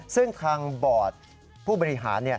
ซึ่งทางบอร์ดผู้บริหาร